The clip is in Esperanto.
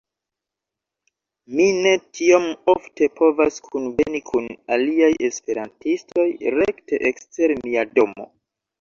Mi ne tiom ofte povas kunveni kun aliaj esperantistoj rekte ekster mia domo.